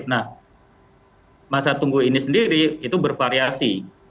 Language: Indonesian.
nah masa tunggu ini sendiri itu bervariasi